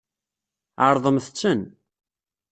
Ɛeṛḍemt-ten.